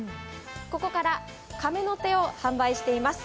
ここからカメノテを販売しています